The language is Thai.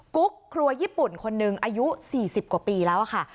กุ๊กครัวญี่ปุ่นคนหนึ่งอายุ๔๐กว่าปีแล้วค่ะ